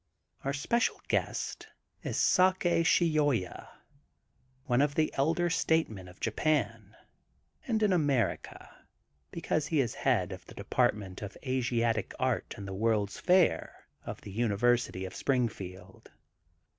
Our special guest is Sake Shioya, one of the Elder Statemen of Japan, and in America because he is head of the Department of Asiatic Art in the "World's Fair of the University of Springfield.